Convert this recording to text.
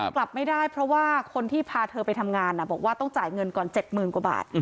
กลับไม่ได้เพราะว่าคนที่พาเธอไปทำงานบอกว่าต้องจ่ายเงินก่อน๗๐๐กว่าบาท